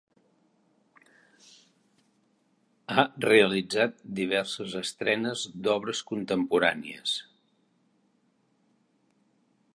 Ha realitzat diverses estrenes d'obres contemporànies.